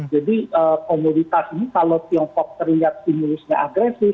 jadi komoditas ini kalau tiongkok terlihat stimulusnya agresif